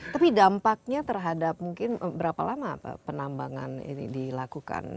tapi dampaknya terhadap mungkin berapa lama penambangan ini dilakukan